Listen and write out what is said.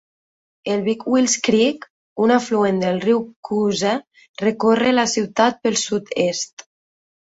El Big Wills Creek, un afluent del riu Coosa, recorre la ciutat pel sud-est.